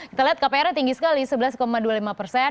kita lihat kpr nya tinggi sekali sebelas dua puluh lima persen